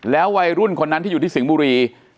วัยรุ่นคนนั้นที่อยู่ที่สิงห์บุรี